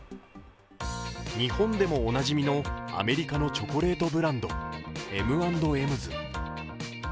日本でもおなじみのアメリカのチョコレートブランドエム・アンド・エムズ。